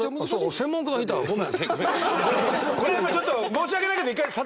これはまあちょっと申し訳ないけど。